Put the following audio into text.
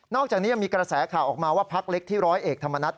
อกจากนี้ยังมีกระแสข่าวออกมาว่าพักเล็กที่ร้อยเอกธรรมนัฐ